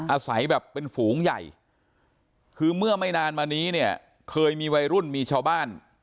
อาศัยแบบเป็นฝูงใหญ่คือเมื่อไม่นานมานี้เนี่ยเคยมีวัยรุ่นมีชาวบ้าน